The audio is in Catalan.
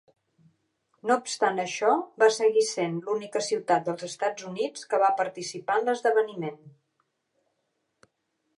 No obstant això, va seguir sent l'única ciutat dels Estats Units que va participar en l'esdeveniment.